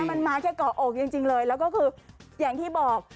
มันมาแค่เกาะอกจริงเลยแล้วก็คืออย่างที่บอก